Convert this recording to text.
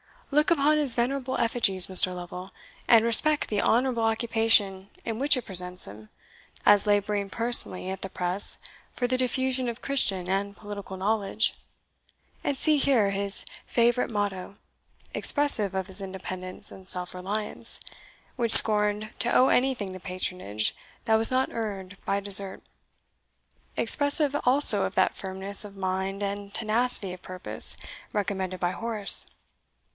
Look upon his venerable effigies, Mr. Lovel, and respect the honourable occupation in which it presents him, as labouring personally at the press for the diffusion of Christian and political knowledge. And see here his favourite motto, expressive of his independence and self reliance, which scorned to owe anything to patronage that was not earned by desert expressive also of that firmness of mind and tenacity of purpose recommended by Horace.